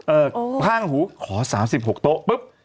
ข้างหูขอ๓๖โต๊ะปุ๊บ